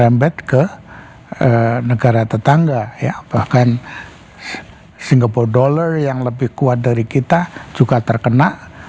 membet ke negara tetangga ya bahkan singable dollar yang lebih kuat dari kita juga terkena